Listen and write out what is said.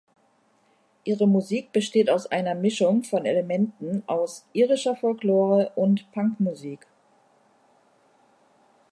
Ihre Musik besteht aus einer Mischung von Elementen aus irischer Folklore und Punkmusik.